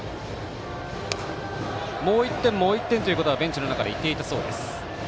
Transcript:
もう１点、もう１点ということはベンチの中で言っていたそうです。